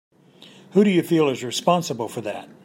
Who do you feel is responsible for that?